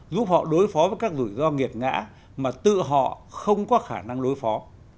giúp họ đối phó với các rủi ro nghiệt ngã mà tự họ không có khả năng đối phó